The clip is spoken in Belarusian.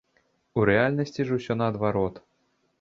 У рэальнасці ж усё наадварот.